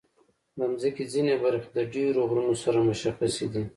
د مځکې ځینې برخې د ډېرو غرونو سره مشخصې دي.